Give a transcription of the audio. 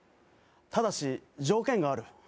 ただし条件がある？